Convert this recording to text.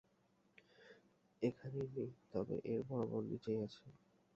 এখানে নেই, তবে এর বরাবর নিচেই আছে।